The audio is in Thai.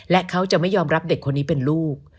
และเขาจะไม่ยอมรับเด็กคนนี้เป็นลูก